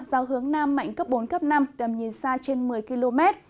gió hướng nam mạnh cấp bốn cấp năm tầm nhìn xa trên một mươi km